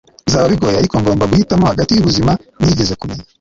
bizaba bigoye, ariko ngomba guhitamo hagati yubuzima nigeze kumenya